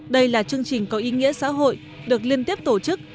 đây là chương trình có ý nghĩa xã hội được liên tiếp tổ chức